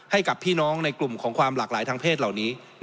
ให้กับพี่น้องในกลุ่มของความหลากหลายทางเพศเหล่านี้